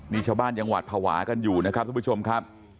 นี่ชาวบ้านยังหวาดภาวะกันอยู่นะครับทุกผู้ชมครับ